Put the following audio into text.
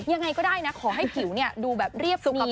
ยังไงก็ได้นะขอให้ผิวดูแบบเรียบสุข